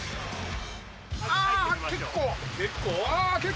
あー、結構。